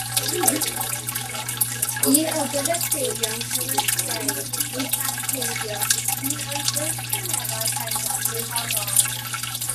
Un o gyfystyron cysegru yw sancteiddio; un o'r gwrthwynebeiriau pendant yw halogi.